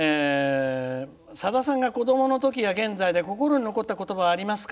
さださんが子どものときから現在で心に残ったことばはありますか？